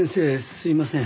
すいません。